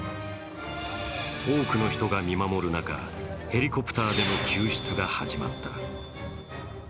多くの人が見守る中ヘリコプターでの救出が始まった。